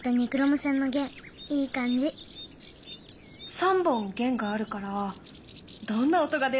３本弦があるからどんな音が出るかな？